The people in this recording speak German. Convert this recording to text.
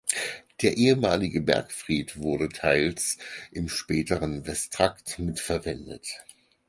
Der ehemalige Bergfried wurde teils im späteren Westtrakt mitverwendet.